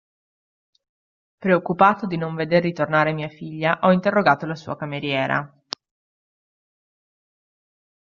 Preoccupato di non veder ritornare mia figlia, ho interrogato la sua cameriera.